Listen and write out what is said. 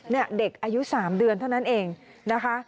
เด็กอายุ๓เดือนเท่านั้นเองนะคะ